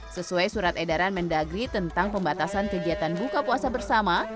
sesuai surat edaran mendagri tentang pembatasan kegiatan buka puasa bersama